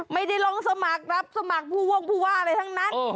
ไม่ได้ลงสมัครรับสมัครผู้วงผู้ว่าอะไรทั้งนั้น